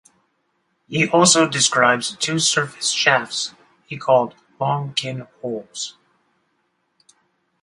He also describes two surface shafts he called ""Long Kin Holes"".